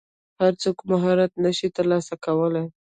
هر څوک مهارت نشي ترلاسه کولی.